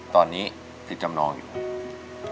ตอนนี้ติดจำนองอยู่